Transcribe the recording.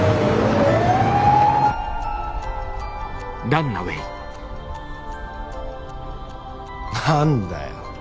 何だよ。